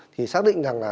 thì xác định rằng